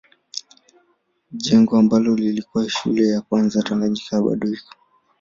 Jengo ambalo lilikuwa shule ya kwanza Tanganyika bado iko.